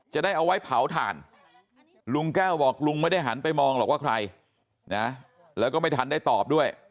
จะได้เอาไว้เผาถ่านลุงแก้วบอกลุงไม่ได้หันไปมองหรอกว่าใครนะแล้วก็ไม่ทันได้ตอบด้วย